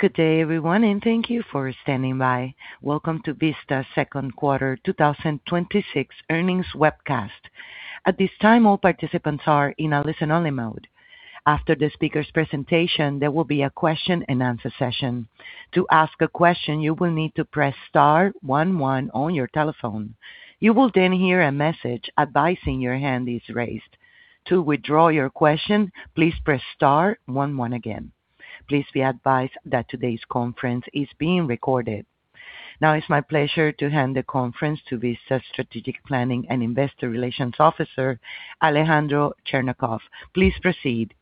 Good day, everyone, and thank you for standing by. Welcome to Vista's second quarter 2026 earnings webcast. At this time, all participants are in a listen-only mode. After the speaker's presentation, there will be a question-and-answer session. To ask a question, you will need to press star one one on your telephone. You will then hear a message advising your hand is raised. To withdraw your question, please press star one one again. Please be advised that today's conference is being recorded. Now it's my pleasure to hand the conference to Vista's Strategic Planning and Investor Relations Officer, Alejandro Cherñacov. Please proceed.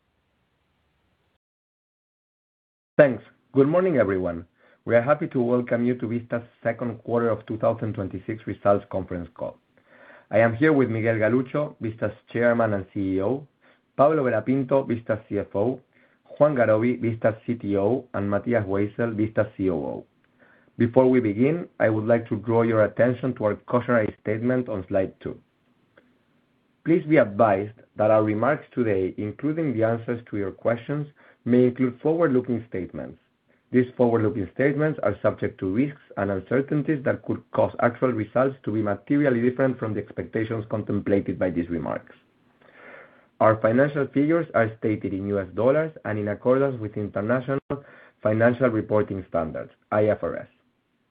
Thanks. Good morning, everyone. We are happy to welcome you to Vista's second quarter of 2026 results conference call. I am here with Miguel Galuccio, Vista's Chairman and CEO, Pablo Vera Pinto, Vista's CFO, Juan Garoby, Vista's CTO, and Matías Weissel, Vista's COO. Before we begin, I would like to draw your attention to our cautionary statement on slide two. Please be advised that our remarks today, including the answers to your questions, may include forward-looking statements. These forward-looking statements are subject to risks and uncertainties that could cause actual results to be materially different from the expectations contemplated by these remarks. Our financial figures are stated in US dollars and in accordance with International Financial Reporting Standards, IFRS.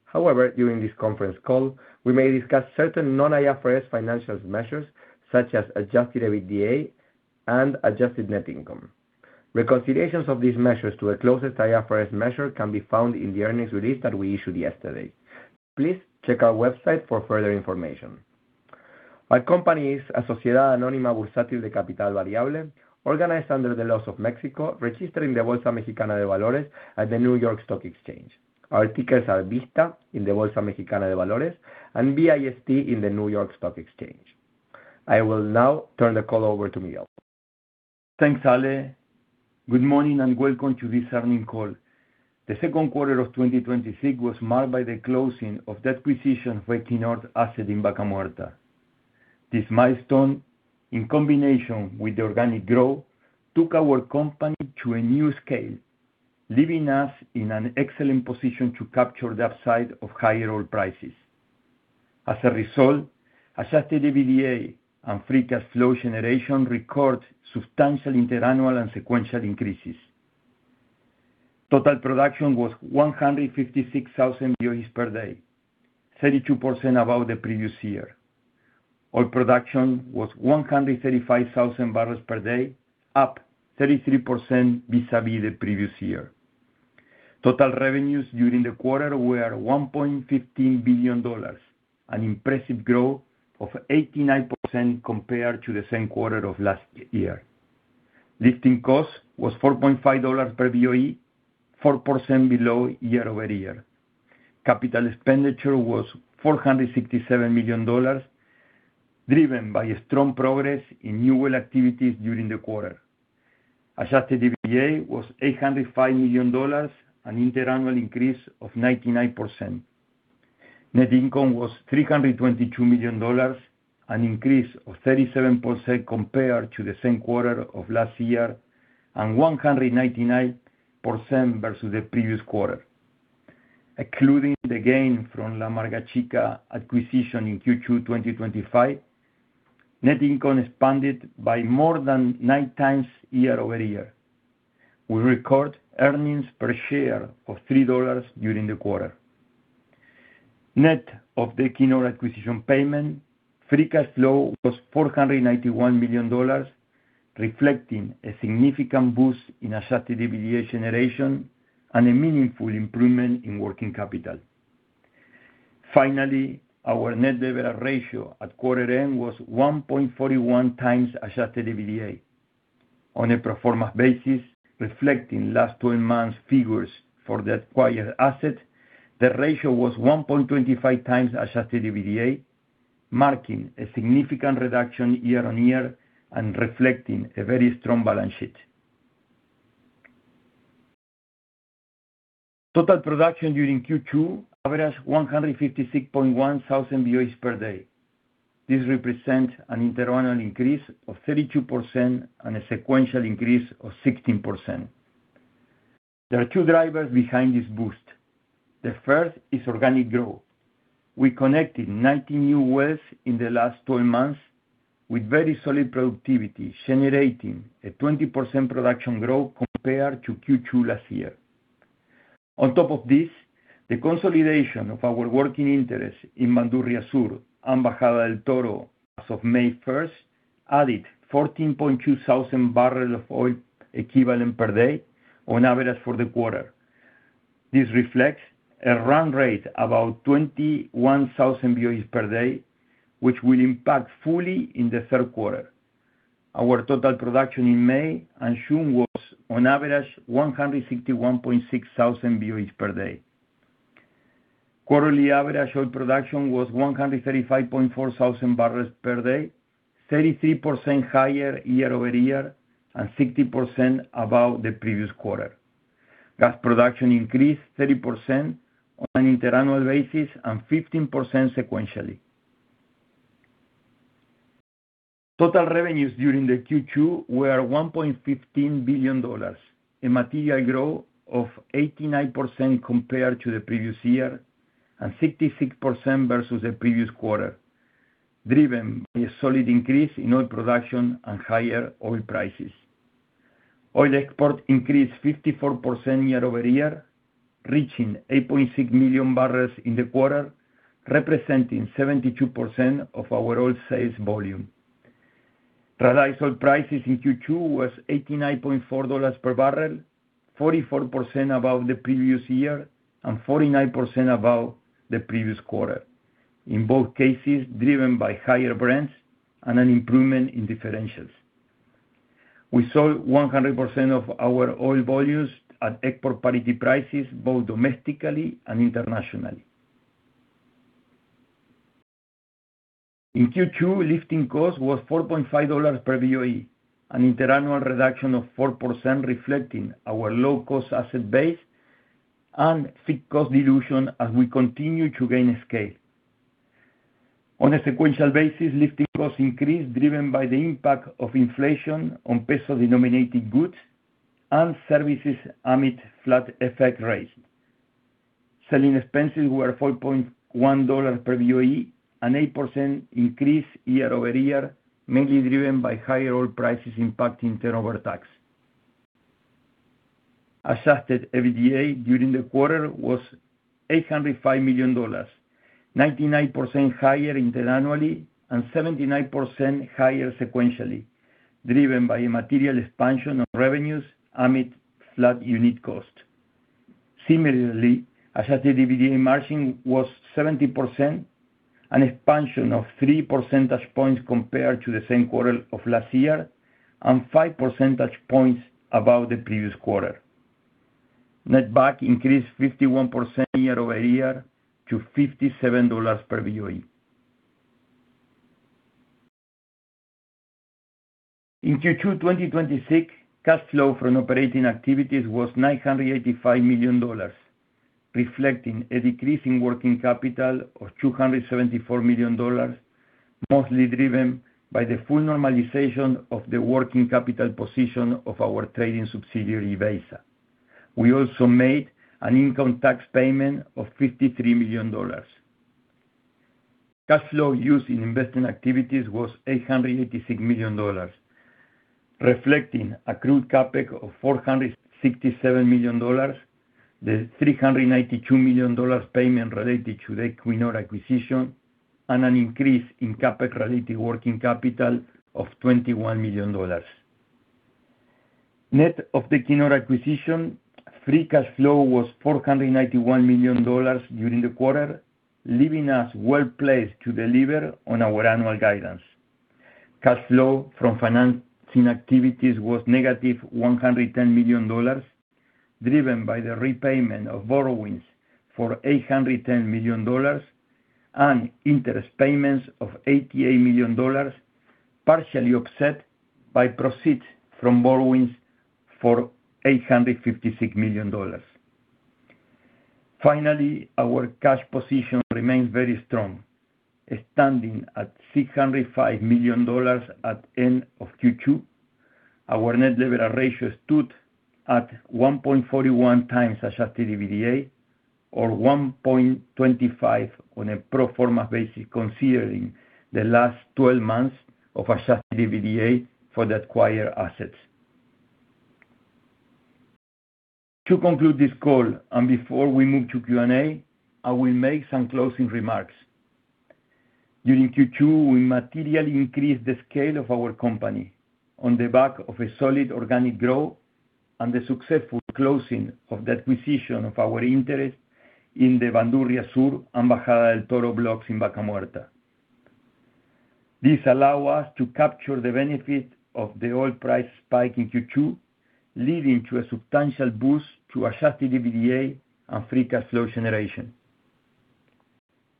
However, during this conference call, we may discuss certain non-IFRS financial measures such as Adjusted EBITDA and Adjusted Net Income. Reconciliations of these measures to the closest IFRS measure can be found in the earnings release that we issued yesterday. Please check our website for further information. Our company is a sociedad anónima bursátil de capital variable, organized under the laws of Mexico, registered in the Bolsa Mexicana de Valores at the New York Stock Exchange. Our tickers are Vista in the Bolsa Mexicana de Valores and VIST in the New York Stock Exchange. I will now turn the call over to Miguel. Thanks, Ale. Good morning, and welcome to this earning call. The second quarter of 2026 was marked by the closing of the acquisition of Equinor asset in Vaca Muerta. This milestone, in combination with the organic growth, took our company to a new scale, leaving us in an excellent position to capture the upside of higher oil prices. As a result, Adjusted EBITDA and free cash flow generation record substantial interannual and sequential increases. Total production was 156,000 barrels per day, 32% above the previous year. Oil production was 135,000 barrels per day, up 33% vis-à-vis the previous year. Total revenues during the quarter were $1.15 billion, an impressive growth of 89% compared to the same quarter of last year. Lifting cost was $4.5 per BOE, 4% below year-over-year. Capital expenditure was $467 million, driven by a strong progress in new well activities during the quarter. Adjusted EBITDA was $805 million, an interannual increase of 99%. Net income was $322 million, an increase of 37% compared to the same quarter of last year and 199% versus the previous quarter. Excluding the gain from La Amarga Chica acquisition in Q2 2025, net income expanded by more than nine times year-over-year. We record earnings per share of $3 during the quarter. Net of the Equinor acquisition payment, free cash flow was $491 million, reflecting a significant boost in Adjusted EBITDA generation and a meaningful improvement in working capital. Finally, our net debt ratio at quarter end was 1.41x Adjusted EBITDA. On a pro forma basis, reflecting last 12 months figures for the acquired asset, the ratio was 1.25x Adjusted EBITDA, marking a significant reduction year-on-year and reflecting a very strong balance sheet. Total production during Q2 averaged 156.1 thousand BOEs per day. This represents an interannual increase of 32% and a sequential increase of 16%. There are two drivers behind this boost. The first is organic growth. We connected 90 new wells in the last 12 months with very solid productivity, generating a 20% production growth compared to Q2 last year. On top of this, the consolidation of our working interest in Bandurria Sur and Bajo del Toro as of May 1st added 14.2 thousand barrels of oil equivalent per day on average for the quarter. This reflects a run rate about 21,000 BOEs per day, which will impact fully in the third quarter. Our total production in May and June was on average 161.6 thousand BOEs per day. Quarterly average oil production was 135.4 thousand barrels per day, 33% higher year-over-year and 16% above the previous quarter. Gas production increased 30% on an interannual basis and 15% sequentially. Total revenues during the Q2 were $1.15 billion, a material growth of 89% compared to the previous year, and 66% versus the previous quarter, driven by a solid increase in oil production and higher oil prices. Oil export increased 54% year-over-year, reaching 8.6 million barrels in the quarter, representing 72% of our oil sales volume. Realized oil prices in Q2 was $89.4 per barrel, 44% above the previous year, and 49% above the previous quarter. In both cases, driven by higher Brent and an improvement in differentials. We sold 100% of our oil volumes at export parity prices, both domestically and internationally. In Q2, lifting cost was $4.5 per BOE, an interannual reduction of 4%, reflecting our low-cost asset base and fixed cost dilution, as we continue to gain scale. On a sequential basis, lifting costs increased, driven by the impact of inflation on peso-denominated goods and services amid flat FX rates. Selling expenses were $4.1 per BOE, an 8% increase year-over-year, mainly driven by higher oil prices impacting turnover tax. Adjusted EBITDA during the quarter was $805 million, 99% higher interannually, and 79% higher sequentially, driven by a material expansion of revenues amid flat unit cost. Similarly, Adjusted EBITDA margin was 17%, an expansion of three percentage points compared to the same quarter of last year, and five percentage points above the previous quarter. Netback increased 51% year-over-year to $57 per BOE. In Q2 2026, cash flow from operating activities was $985 million, reflecting a decrease in working capital of $274 million, mostly driven by the full normalization of the working capital position of our trading subsidiary, Beisa. We also made an income tax payment of $53 million. Cash flow used in investing activities was $886 million, reflecting accrued CapEx of $467 million, the $392 million payment related to the Equinor acquisition, and an increase in CapEx-related working capital of $21 million. Net of the Equinor acquisition, free cash flow was $491 million during the quarter, leaving us well-placed to deliver on our annual guidance. Cash flow from financing activities was -$110 million, driven by the repayment of borrowings for $810 million, and interest payments of $88 million, partially offset by proceeds from borrowings for $856 million. Finally, our cash position remains very strong. Standing at $605 million at the end of Q2, our net leverage ratio stood at 1.41 times Adjusted EBITDA, or 1.25 on a pro forma basis considering the last 12 months of Adjusted EBITDA for the acquired assets. To conclude this call, before we move to Q&A, I will make some closing remarks. During Q2, we materially increased the scale of our company on the back of a solid organic growth and the successful closing of the acquisition of our interest in the Bandurria Sur and Bajo del Toro blocks in Vaca Muerta. This allow us to capture the benefit of the oil price spike in Q2, leading to a substantial boost to Adjusted EBITDA and free cash flow generation.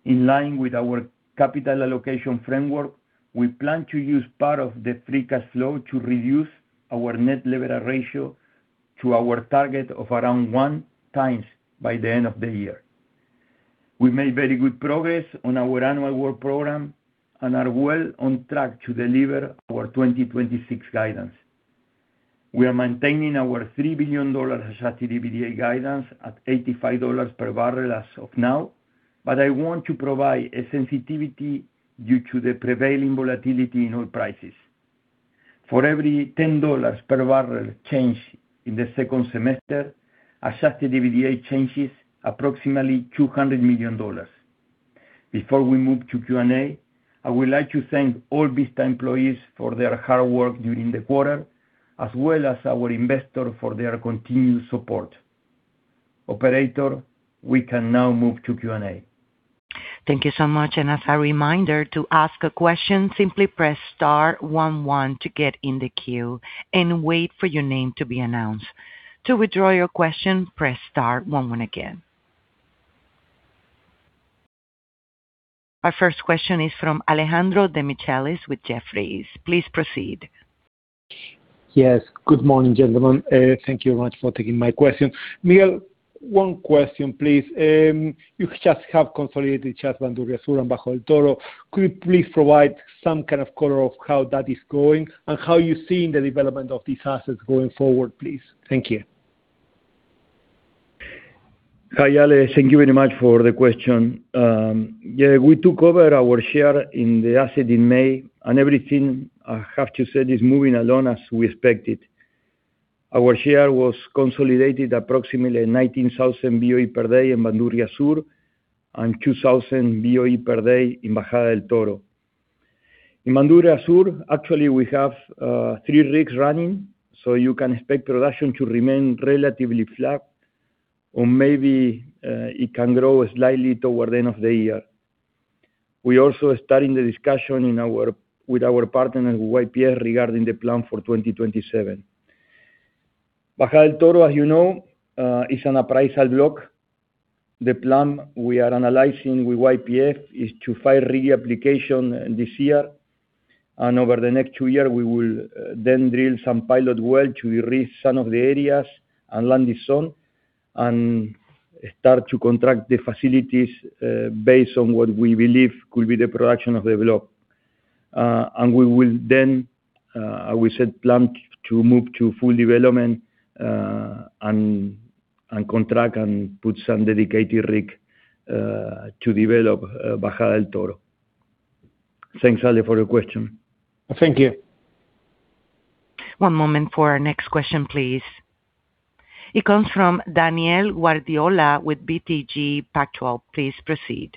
In line with our capital allocation framework, we plan to use part of the free cash flow to reduce our net leverage ratio to our target of around one times by the end of the year. We made very good progress on our annual work program and are well on track to deliver our 2026 guidance. We are maintaining our $3 billion Adjusted EBITDA guidance at $85 per barrel as of now, I want to provide a sensitivity due to the prevailing volatility in oil prices. For every $10 per barrel change in the second semester, Adjusted EBITDA changes approximately $200 million. Before we move to Q&A, I would like to thank all Vista employees for their hard work during the quarter, as well as our investors for their continued support. Operator, we can now move to Q&A. Thank you so much. As a reminder, to ask a question, simply press star one one to get in the queue and wait for your name to be announced. To withdraw your question, press star one one again. Our first question is from Alejandro Demichelis with Jefferies. Please proceed. Yes. Good morning, gentlemen. Thank you very much for taking my question. Miguel, one question, please. You just have consolidated just Bandurria Sur and Bajo del Toro. Could you please provide some kind of color of how that is going, and how you're seeing the development of these assets going forward, please? Thank you. Hi, Ale. Thank you very much for the question. Yeah, we took over our share in the asset in May, and everything, I have to say, is moving along as we expected. Our share was consolidated approximately 19,000 BOE per day in Bandurria Sur and 2,000 BOE per day in Bajo del Toro. In Bandurria Sur, actually, we have three rigs running, so you can expect production to remain relatively flat or maybe it can grow slightly toward the end of the year. We also are starting the discussion with our partner, YPF, regarding the plan for 2027. Bajo del Toro, as you know, is an appraisal block. The plan we are analyzing with YPF is to file reapplication this year. Over the next two year, we will then drill some pilot well to de-risk some of the areas and land this on, and start to contract the facilities based on what we believe could be the production of the block. We will then, I will say, plan to move to full development, and contract and put some dedicated rig to develop Bajo del Toro. Thanks, Ale, for your question. Thank you. One moment for our next question, please. It comes from Daniel Guardiola with BTG Pactual. Please proceed.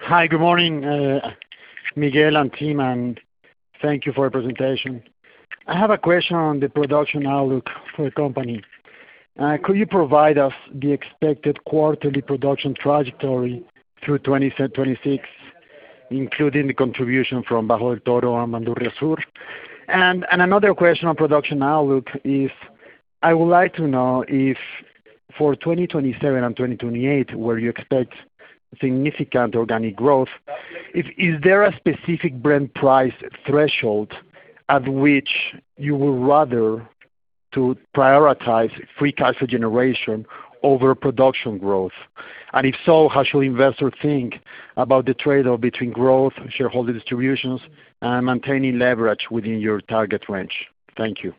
Hi. Good morning, Miguel and team, and thank you for your presentation. I have a question on the production outlook for the company. Could you provide us the expected quarterly production trajectory through 2026, including the contribution from Bajo del Toro and Bandurria Sur? Another question on production outlook is, I would like to know if for 2027 and 2028, where you expect significant organic growth, is there a specific Brent price threshold at which you would rather to prioritize free cash generation over production growth? If so, how should investors think about the trade-off between growth, shareholder distributions, and maintaining leverage within your target range? Thank you.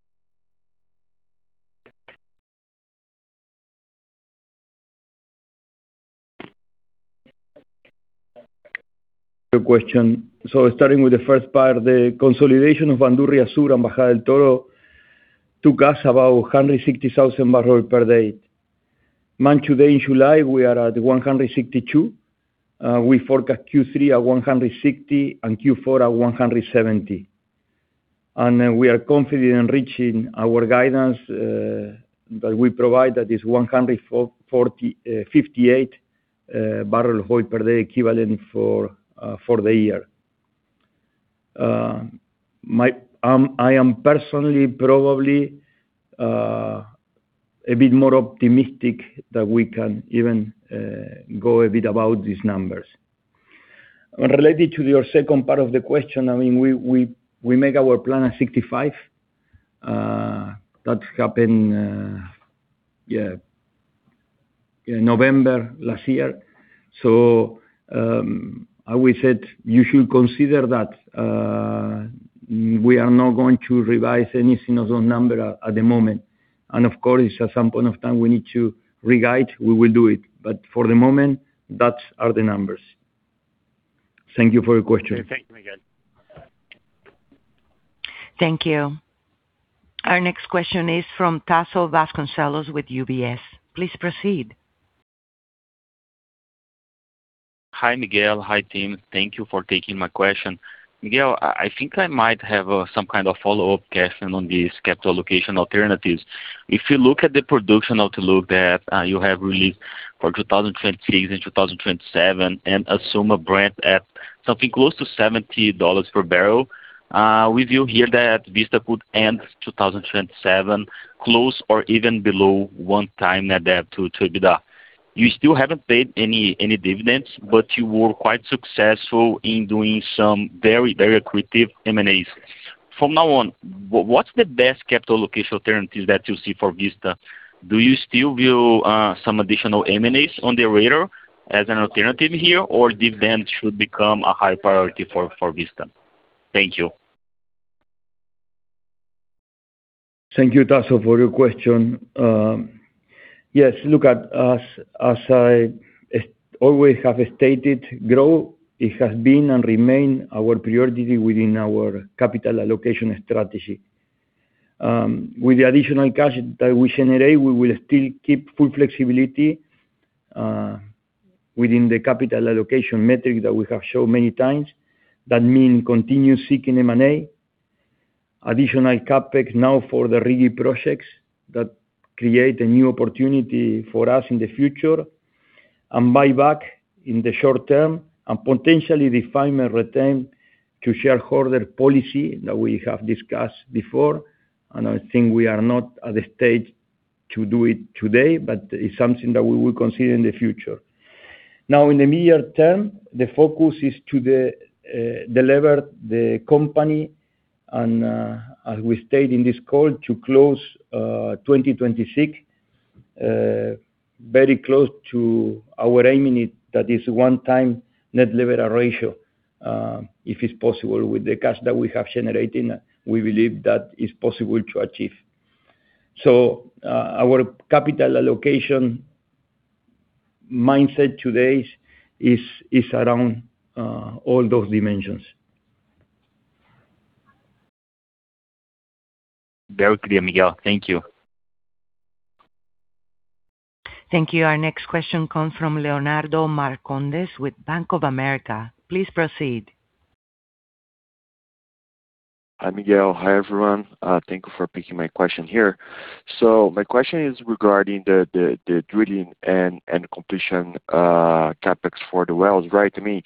Good question. Starting with the first part, the consolidation of Bandurria Sur and Bajo del Toro took us about 160,000 barrel per day. Month today in July, we are at 162. We forecast Q3 at 160 and Q4 at 170. We are confident in reaching our guidance, that we provide that is 158 barrel oil per day equivalent for the year. I am personally probably a bit more optimistic that we can even go a bit about these numbers. Related to your second part of the question, we make our plan at $65. That happened November last year. As we said, you should consider that we are not going to revise any Sinozone number at the moment. Of course, at some point of time, we need to re-guide, we will do it. For the moment, that are the numbers. Thank you for your question. Okay. Thank you, Miguel. Thank you. Our next question is from Tasso Vasconcellos with UBS. Please proceed. Hi, Miguel. Hi, team. Thank you for taking my question. Miguel, I think I might have some kind of follow-up question on these capital allocation alternatives. If you look at the production outlook that you have released for 2026 and 2027 and assume a Brent at something close to $70 per barrel, we view here that Vista could end 2027 close or even below one time net debt to EBITDA. You still haven't paid any dividends, but you were quite successful in doing some very accretive M&As. From now on, what's the best capital allocation alternatives that you see for Vista? Do you still view some additional M&As on the radar as an alternative here, or dividend should become a high priority for Vista? Thank you. Thank you, Tasso, for your question. Yes. Look, as I always have stated, growth, it has been and remain our priority within our capital allocation strategy. With the additional cash that we generate, we will still keep full flexibility within the capital allocation metric that we have shown many times. That mean continue seeking M&A, additional CapEx now for the RIGI projects that create a new opportunity for us in the future, and buyback in the short term, and potentially define a return to shareholder policy that we have discussed before. I think we are not at the stage to do it today, but it's something that we will consider in the future. Now, in the near term, the focus is to delever the company, and, as we stated in this call, to close 2026 very close to our aim, that is one time net lever ratio. If it's possible with the cash that we have generating, we believe that is possible to achieve. Our capital allocation mindset today is around all those dimensions. Very clear, Miguel. Thank you. Thank you. Our next question comes from Leonardo Marcondes with Bank of America. Please proceed. Hi, Miguel. Hi, everyone. Thank you for picking my question here. My question is regarding the drilling and completion CapEx for the wells. To me,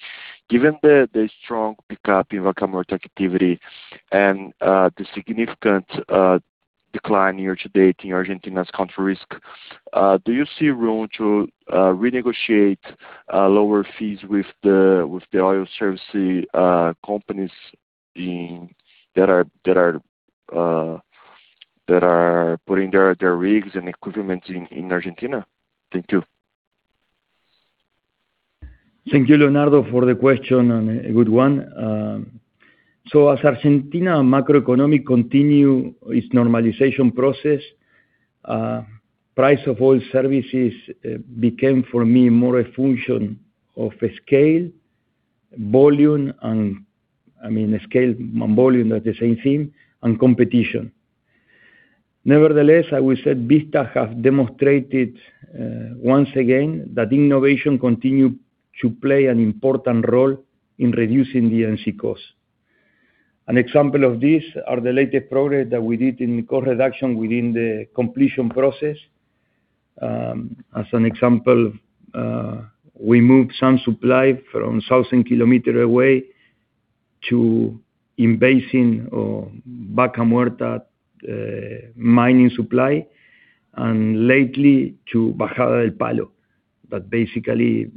given the strong pickup in Vaca Muerta activity and the significant decline year-to-date in Argentina's country risk, do you see room to renegotiate lower fees with the oil services companies that are putting their rigs and equipment in Argentina? Thank you. Thank you, Leonardo, for the question, and a good one. As Argentina macroeconomic continue its normalization process, price of oil services became, for me, more a function of scale, volume, I mean, scale volume are the same thing, and competition. Nevertheless, I will say Vista has demonstrated, once again, that innovation continue to play an important role in reducing D&C costs. An example of this are the latest progress that we did in cost reduction within the completion process. As an example, we moved some supply from 1,000 km away to in-basin or Vaca Muerta mining supply, and lately to Bajada del Palo. Basically,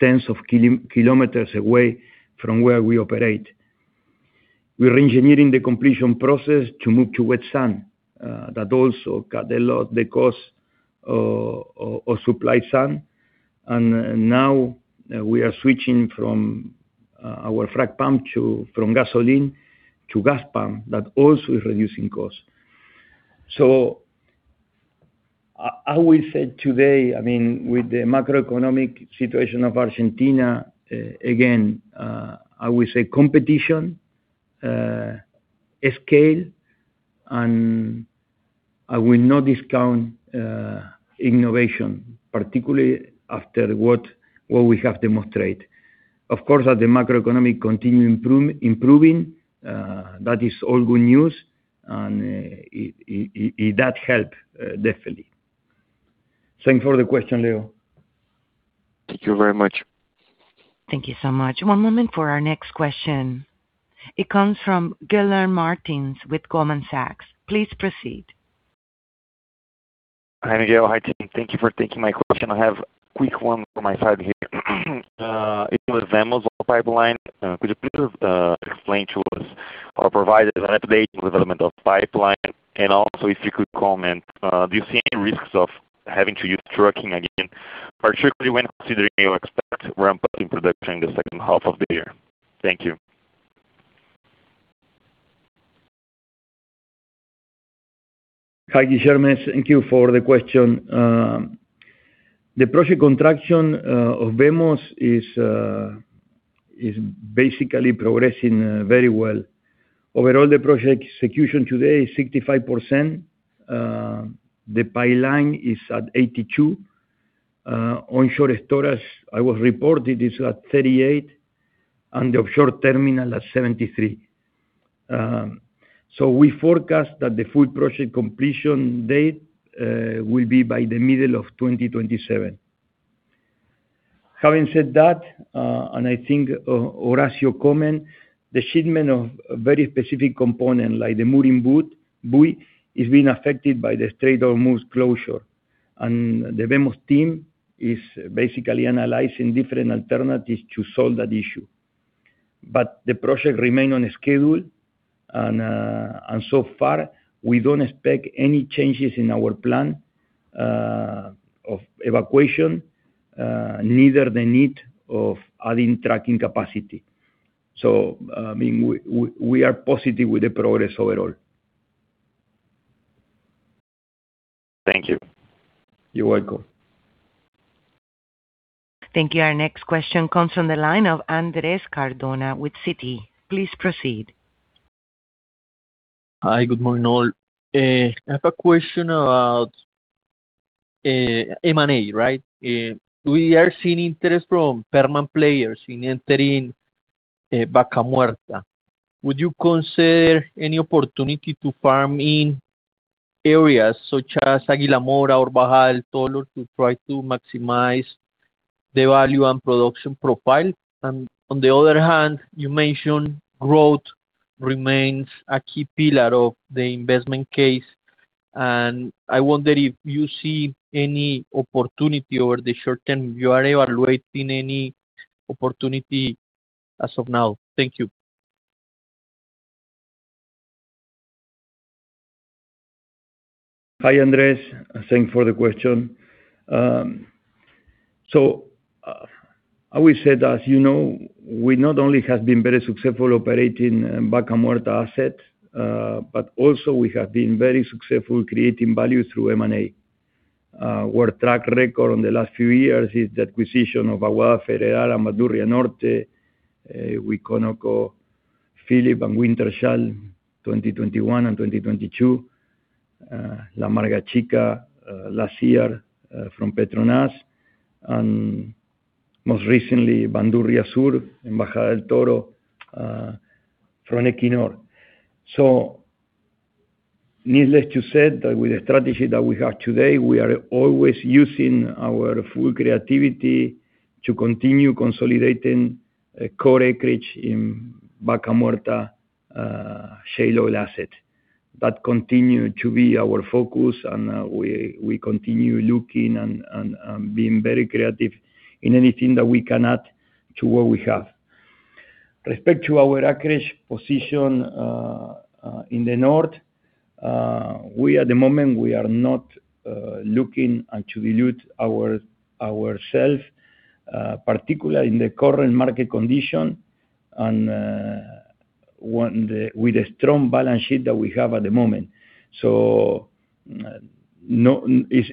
tens of kilometers away from where we operate. We are engineering the completion process to move to wet sand. That also cut a lot the cost of supply sand. Now we are switching from our frac pump from gasoline to gas pump, that also is reducing cost. I will say today, with the macroeconomic situation of Argentina, again, I will say competition, scale, and I will not discount innovation, particularly after what we have demonstrated. Of course, as the macroeconomic continue improving, that is all good news. That help, definitely. Thanks for the question, Leo. Thank you very much. Thank you so much. One moment for our next question. It comes from Guilherme Martins with Goldman Sachs. Please proceed. Hi, Miguel. Hi, team. Thank you for taking my question. I have a quick one from my side here. It was VMOS pipeline. Could you please explain to us or provide an update on development of pipeline, and also if you could comment, do you see any risks of having to use trucking again, particularly when considering your expected ramp-up in production in the second half of the year? Thank you. Hi, Guilherme. Thank you for the question. The project contraction of VMOS is basically progressing very well. Overall, the project execution today is 65%. The pipeline is at 82. Onshore storage, I was reported, is at 38, and the offshore terminal at 73. We forecast that the full project completion date will be by the middle of 2027. Having said that, I think Horacio comment, the shipment of a very specific component, like the mooring buoy, is being affected by the Strait of Hormuz closure. The VMOS team is basically analyzing different alternatives to solve that issue. The project remain on schedule. So far, we don't expect any changes in our plan of evacuation, neither the need of adding trucking capacity. We are positive with the progress overall. Thank you. You're welcome. Thank you. Our next question comes from the line of Andrés Cardona with Citi. Please proceed. Hi, good morning, all. I have a question about M&A, right? We are seeing interest from permanent players in entering Vaca Muerta. Would you consider any opportunity to farm in areas such as Águila Mora or Bajo del Toro to try to maximize the value and production profile. On the other hand, you mentioned growth remains a key pillar of the investment case. I wonder if you see any opportunity over the short term. You are evaluating any opportunity as of now? Thank you. Hi, Andrés. Thanks for the question. I would say that, as you know, we not only have been very successful operating Vaca Muerta assets, but also we have been very successful creating value through M&A, where track record on the last few years is the acquisition of Aguada Federal, Bandurria Norte, ConocoPhillips, and Wintershall, 2021 and 2022, La Amarga Chica last year from Petronas, and most recently, Bandurria Sur and Bajo del Toro from Equinor. Needless to say, that with the strategy that we have today, we are always using our full creativity to continue consolidating core acreage in Vaca Muerta shale oil asset. That continue to be our focus. We continue looking and being very creative in anything that we can add to what we have. Respect to our acreage position in the north, we at the moment, we are not looking to dilute ourselves, particularly in the current market condition, with the strong balance sheet that we have at the moment.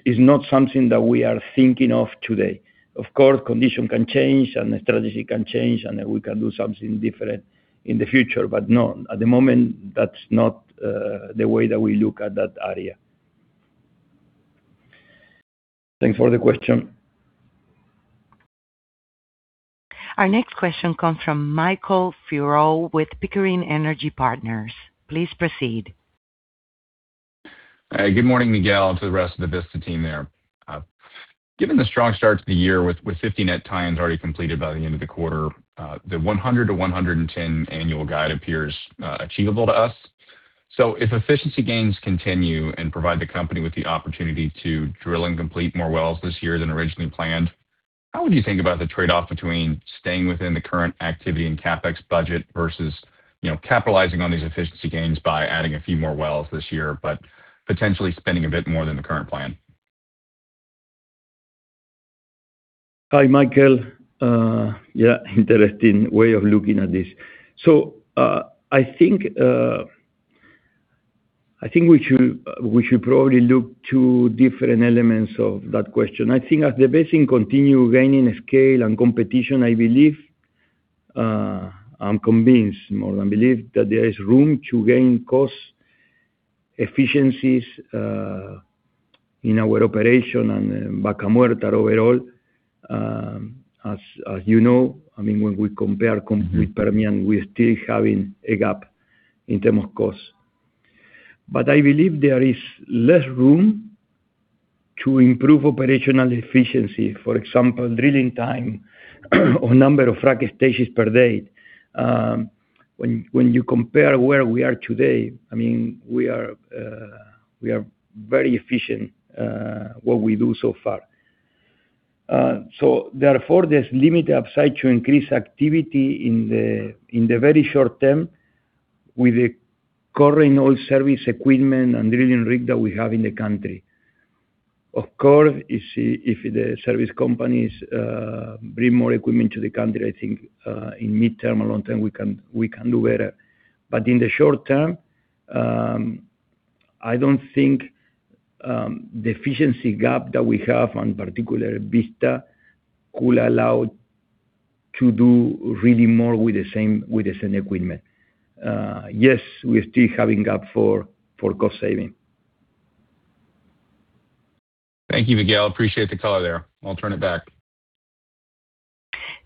It's not something that we are thinking of today. Of course, condition can change. The strategy can change. We can do something different in the future. No, at the moment, that's not the way that we look at that area. Thanks for the question. Our next question comes from Michael Furrow with Pickering Energy Partners. Please proceed. Good morning, Miguel, to the rest of the Vista team there. Given the strong start to the year with 50 net tie-ins already completed by the end of the quarter, the 100 to 110 annual guide appears achievable to us. If efficiency gains continue and provide the company with the opportunity to drill and complete more wells this year than originally planned, how would you think about the trade-off between staying within the current activity and CapEx budget versus capitalizing on these efficiency gains by adding a few more wells this year, but potentially spending a bit more than the current plan? Hi, Michael. Yeah, interesting way of looking at this. I think we should probably look to different elements of that question. I think as the basin continue gaining scale and competition, I believe, I'm convinced more than believe, that there is room to gain cost efficiencies in our operation in Vaca Muerta overall. As you know, when we compare complete Permian, we are still having a gap in terms of cost. I believe there is less room to improve operational efficiency. For example, drilling time or number of fracking stages per day. When you compare where we are today, we are very efficient, what we do so far. Therefore, there's limited upside to increase activity in the very short term with the current oil service equipment and drilling rig that we have in the country. Of course, if the service companies bring more equipment to the country, I think, in the midterm or long term, we can do better. In the short term, I don't think the efficiency gap that we have, and particular Vista, will allow to do really more with the same equipment. Yes, we are still having gap for cost saving. Thank you, Miguel. Appreciate the color there. I'll turn it back.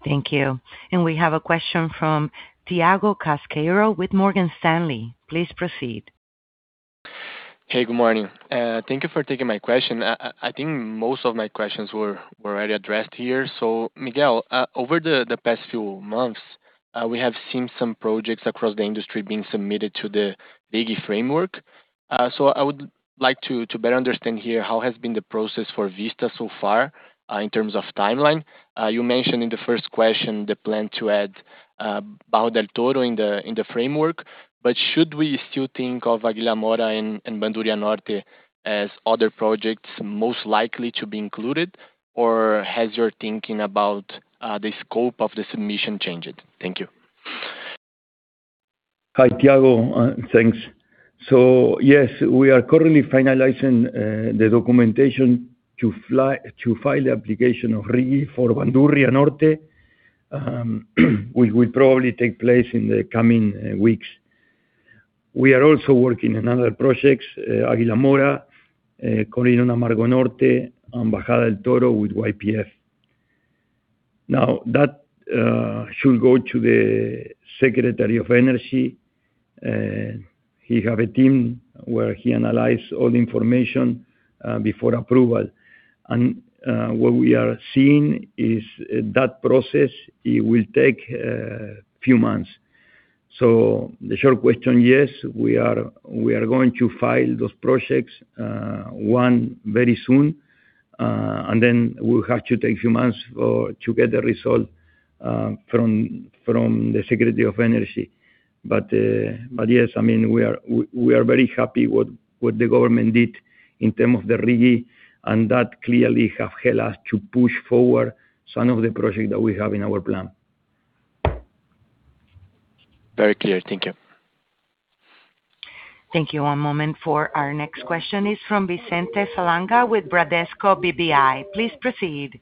Thank you. We have a question from Thiago Casqueiro with Morgan Stanley. Please proceed. Hey, good morning. Thank you for taking my question. I think most of my questions were already addressed here. Miguel, over the past few months, we have seen some projects across the industry being submitted to the RIGI framework. I would like to better understand here how has been the process for Vista so far, in terms of timeline. You mentioned in the first question the plan to add Bajo del Toro in the framework. Should we still think of Águila Mora and Bandurria Norte as other projects most likely to be included? Has your thinking about the scope of the submission changed? Thank you. Hi, Thiago. Thanks. Yes, we are currently finalizing the documentation to file the application of RIGI for Bandurria Norte, which will probably take place in the coming weeks. We are also working on other projects, Águila Mora, Coirón Amargo Norte, and Bajo del Toro with YPF. That should go to the Secretariat of Energy. He have a team where he analyze all the information before approval. What we are seeing is that process, it will take a few months. The short question, yes, we are going to file those projects, one very soon, and then we'll have to take few months to get the result from the Secretariat of Energy. Yes, we are very happy what the government did in terms of the RIGI, and that clearly have helped us to push forward some of the project that we have in our plan. Very clear. Thank you. Thank you. One moment for our next question is from Vicente Falanga with Bradesco BBI. Please proceed.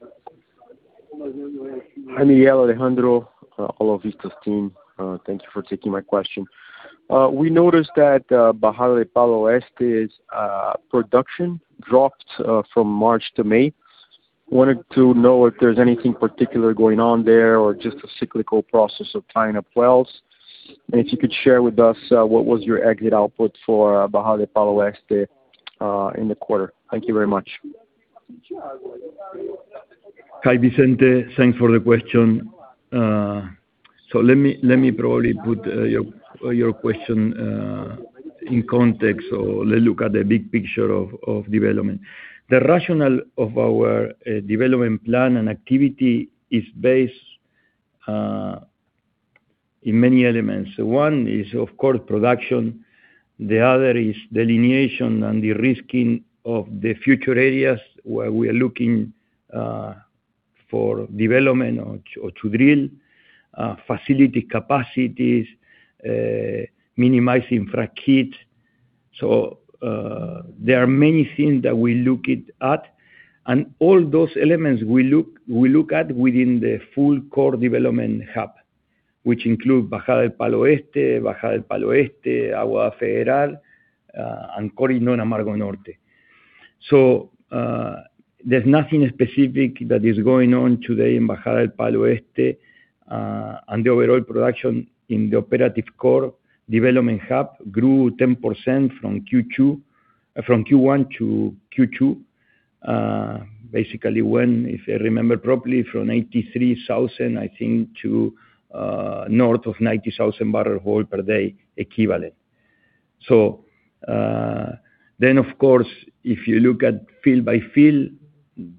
Hi, Miguel, Alejandro, all of Vista Energy's team. Thank you for taking my question. We noticed that Bajada del Palo Este's production dropped from March to May. Wanted to know if there's anything particular going on there or just a cyclical process of tying up wells. If you could share with us what was your exit output for Bajada del Palo Este in the quarter. Thank you very much. Hi, Vicente. Thanks for the question. Let me probably put your question in context, or let look at the big picture of development. The rationale of our development plan and activity is based in many elements. One is, of course, production. The other is delineation and derisking of the future areas where we are looking for development or to drill, facility capacities, minimizing frack hit. There are many things that we looking at. All those elements we look at within the full core development hub, which include Bajada del Palo Este, Bajada del Palo Este, Aguada Federal, and Coirón Amargo Norte There's nothing specific that is going on today in Bajada del Palo Este. The overall production in the operative core development hub grew 10% from Q1 to Q2. Basically when, if I remember properly, from 83,000, I think, to north of 90,000 barrel oil per day equivalent. Of course, if you look at field by field,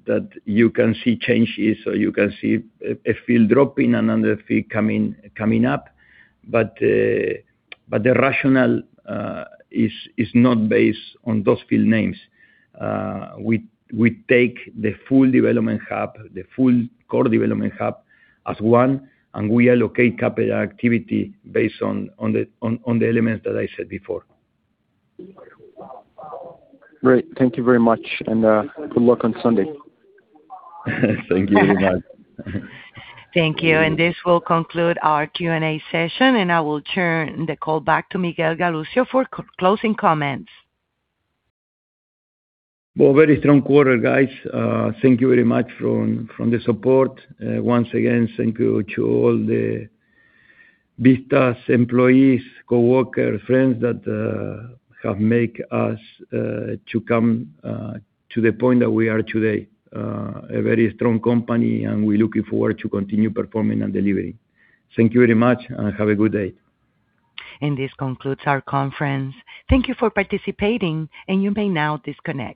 that you can see changes or you can see a field dropping, another field coming up. The rationale is not based on those field names. We take the full development hub, the full core development hub as one, and we allocate capital activity based on the elements that I said before. Great. Thank you very much, good luck on Sunday. Thank you very much. Thank you. This will conclude our Q&A session, I will turn the call back to Miguel Galuccio for closing comments. Well, very strong quarter, guys. Thank you very much from the support. Once again, thank you to all the Vista's employees, coworker, friends that have make us to come to the point that we are today, a very strong company, we're looking forward to continue performing and delivering. Thank you very much, have a good day. This concludes our conference. Thank you for participating, and you may now disconnect.